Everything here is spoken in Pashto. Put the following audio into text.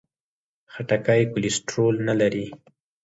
خټکی کولیسټرول نه لري.